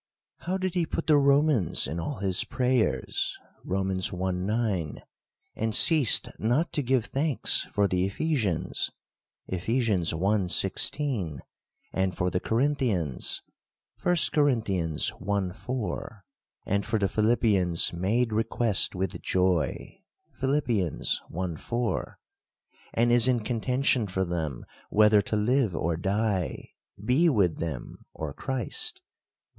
How did he put the Romans in all his prayers (Rom. i. 9) ; and ceased not to give thanks for the Ephesians (Eph. i. 16) ; and for the Corinthians (1 Cor. i. 4) ; and for the Philippians made request with joy (Phil. i. 4) ; and is in contention for them whether to live or die, be with them or Christ (ver.